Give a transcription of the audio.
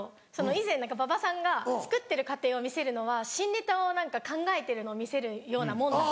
以前馬場さんが「作ってる過程を見せるのは新ネタを考えてるのを見せるようなもんだ。